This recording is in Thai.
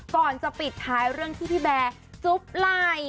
ก่อนจะปิดท้ายเรื่องที่พี่แบร์จุ๊บไหล่